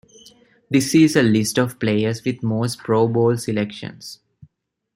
This is a list of players with most Pro Bowl selections.